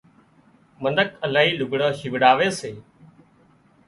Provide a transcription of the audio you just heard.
منک الاهي لگھڙان شيوڙاوي سي